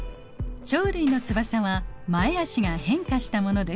鳥類の翼は前あしが変化したものです。